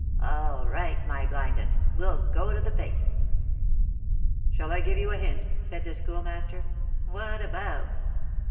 "All right, my blind un; we'll go the pace." "Shall I give you a hint?" said the Schoolmaster. "What about?"